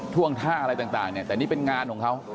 ท่วงท่าอะไรต่างเนี่ยแต่นี่เป็นงานของเขา